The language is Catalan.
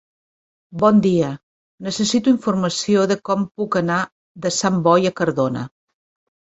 Bon dia, necessito informació de com puc anar de Sant Boi a Cardona.